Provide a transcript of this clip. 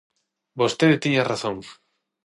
Vostede tiña razón.